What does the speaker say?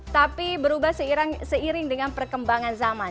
tapi berubah seiring dengan perkembangan zaman